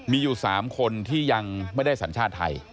มีอยู่๓คนที่ยังไม่ได้สัญชาติไทย